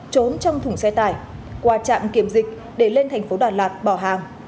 trốn trong thùng xe tải qua trạm kiểm dịch để lên thành phố đà lạt bỏ hàng